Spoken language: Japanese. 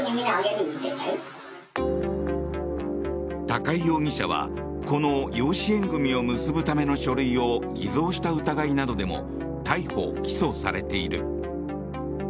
高井容疑者はこの養子縁組を結ぶための書類を偽造した疑いなどでも逮捕・起訴されている。